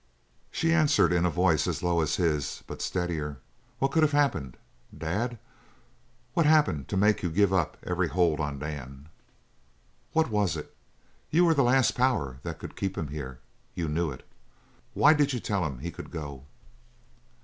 She answered in a voice as low as his, but steadier: "What could have happened? Dad, what happened to make you give up every hold on Dan? What was it? You were the last power that could keep him here. You knew it. Why did you tell him he could go?"